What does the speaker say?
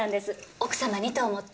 奥様にと思って。